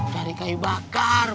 cari kayu bakar